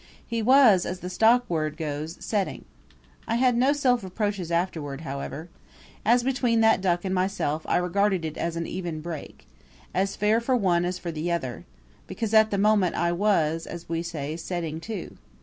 He was, as the stockword goes, setting. I had no self reproaches afterward however. As between that duck and myself I regarded it as an even break as fair for one as for the other because at the moment I myself was, as we say, setting too.